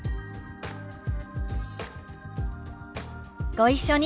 ご一緒に。